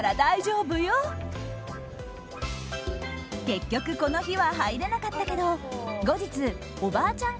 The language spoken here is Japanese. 結局、この日は入れなかったけど後日、おばあちゃん